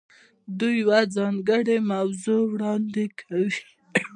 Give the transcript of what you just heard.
دوی یوه ځانګړې موضوع وړاندې کوي.